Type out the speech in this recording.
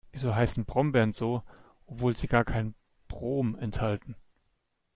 Wieso heißen Brombeeren so, obwohl sie gar kein Brom enthalten?